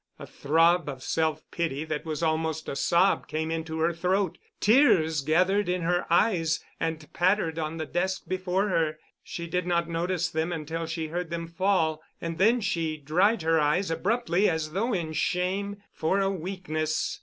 A throb of self pity that was almost a sob came into her throat. Tears gathered in her eyes and pattered on the desk before her. She did not notice them until she heard them fall, and then she dried her eyes abruptly as though in shame for a weakness.